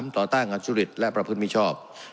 ๓ต่อตั้งงานชุดฤทธิ์และประพฤติมีชอบ